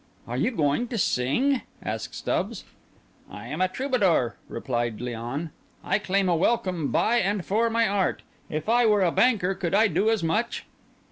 "Are you going to sing?" asked Stubbs. "I am a troubadour," replied Léon. "I claim a welcome by and for my art. If I were a banker could I do as much?"